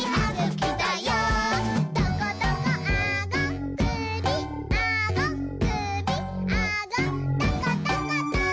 「トコトコあごくびあごくびあごトコトコト」